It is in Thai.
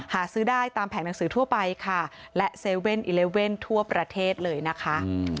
หาซื้อได้ตามแผงหนังสือทั่วไปค่ะและ๗๑๑ทั่วประเทศเลยนะคะ